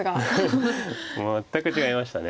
全く違いました。